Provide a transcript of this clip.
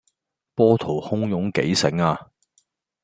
波濤洶湧幾醒呀